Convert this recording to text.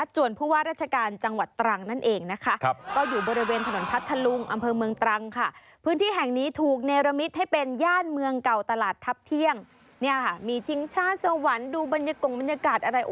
ชาติสวรรค์ดูบรรยากรมบรรยากาศอะไร